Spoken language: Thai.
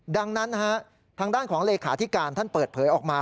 ดังนั้นทางด้านของเลขาธิการท่านเปิดเผยออกมา